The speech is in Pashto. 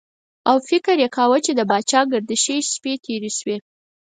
او فکر یې کاوه چې د پاچاګردشۍ شپې تېرې شوې.